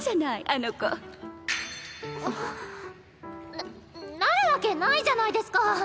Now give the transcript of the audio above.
ななるわけないじゃないですか。